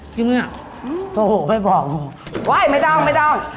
นี่แล้วโหไปบอกไม่ต้องไม่ต้อง